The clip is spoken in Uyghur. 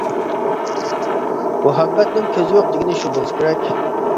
مۇھەببەتنىڭ كۆزى يوق دېگىنى شۇ بولسا كېرەك.